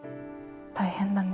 大変だね。